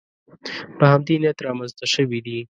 په همدې نیت رامنځته شوې دي